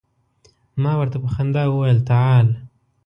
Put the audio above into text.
ما ورته په خندا وویل تعال.